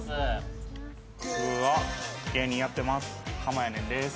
僕は芸人やってますはまやねんです。